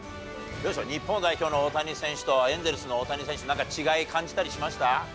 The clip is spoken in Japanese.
日本代表の大谷選手とエンゼルスの大谷選手、なんか違い感じたりしました？